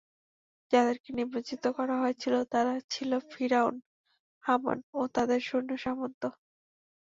যাদেরকে নিমজ্জিত করা হয়েছিল, তারা ছিল ফিরআউন, হামান ও তাদের সৈন্য-সামন্ত।